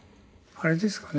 あれですかね